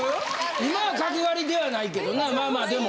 今は角刈りではないけどなまあまあでも。